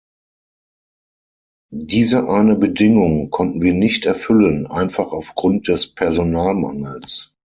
Diese eine Bedingung konnten wir nicht erfüllen, einfach aufgrund des Personalmangels.